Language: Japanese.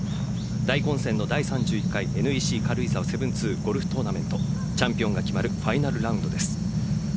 大混戦の第３１回ＮＥＣ軽井沢７２ゴルフトーナメントチャンピオンが決まるファイナルラウンドです。